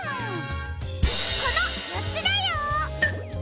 このよっつだよ！